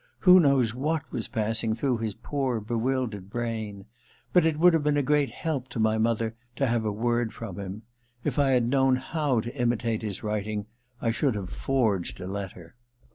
Who knows what was passing through his poor bewildered brain ? But it would have been a great help to my mother to have a word from him. If I had known how to imitate his writing I should have forged a letter.'